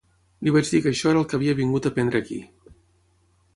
Li vaig dir que això era el que havia vingut a aprendre aquí.